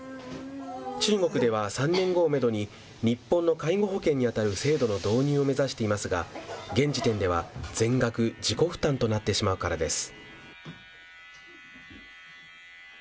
中国では３年後をメドに日本の介護保険に当たる制度の導入を目指していますが、現時点では全額自己負担となってしまうからです。